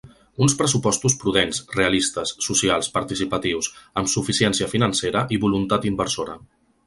Uns pressupostos prudents, realistes, socials, participatius, amb suficiència financera i voluntat inversora.